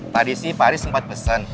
tadi sih pak haris sempat pesan